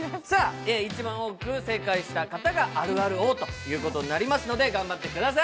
一番多く正解した方があるある王となりますので頑張ってください。